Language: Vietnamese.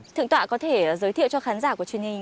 thượng tọa có thể giới thiệu cho khán giả của truyền hình